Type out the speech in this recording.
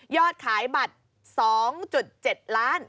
อดขายบัตร๒๗ล้าน